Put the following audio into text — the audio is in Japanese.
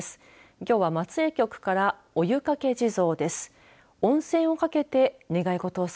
きょうは松江局からお湯かけ地蔵です。